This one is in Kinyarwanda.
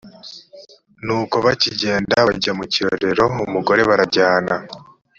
ni uko bakigenda bajya mu kirorero umugore barajyana